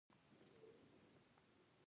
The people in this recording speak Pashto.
ما هم عاقلانه مشوره درکړه.